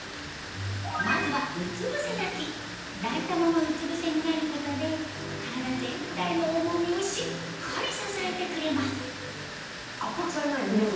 まずは抱いたままうつ伏せになることで体全体の重みをしっかり支えてくれます圧迫されない胸が。